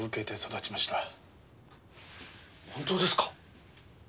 本当ですか？